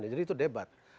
jadi itu debat